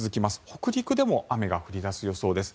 北陸でも雨が降り出す予想です。